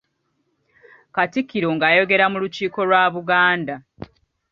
Katikkiro ng’ayogera mu Lukiiko lwa Buganda.